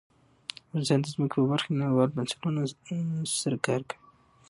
افغانستان د ځمکه په برخه کې نړیوالو بنسټونو سره کار کوي.